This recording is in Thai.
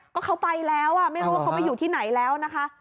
ก็เขาไปแล้วไม่รู้ว่าเขาไปอยู่ที่ไหนแล้วนะคะ